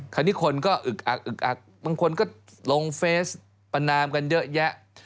คนนี้คนก็อึกอักบางคนก็ลงเฟสปานามกันเยอะแยะ